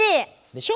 でしょ？